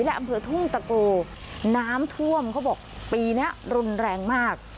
และอำเภอทุ่งตะโกน้ำท่วมเขาบอกปีนี้รุนแรงมาก